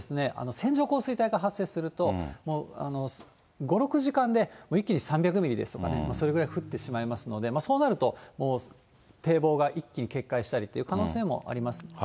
線状降水帯が発生すると、もう５、６時間で、一気に３００ミリですとかね、それぐらい降ってしまいますので、そうなると、堤防が一気に決壊したりという可能性もあります。